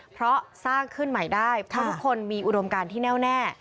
เพราะสร้างขึ้นใหม่ได้เพราะทุกคนมีอุดมการที่แน่วแน่